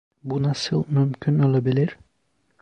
Bu nasıl mümkün olabilir?